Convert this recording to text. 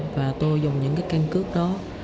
và tôi dùng những cái căn cước đó